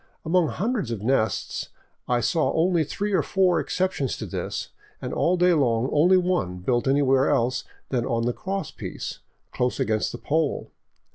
Among hundreds of nests I saw only three or four exceptions to this, and all day long only one built any where else than on the cross piece, close against the pole.